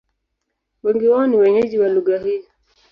Wengi wao ni wenyeji wa lugha hii.